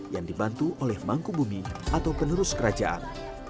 yang dibantu oleh mangkubumi atau penerus kerajaan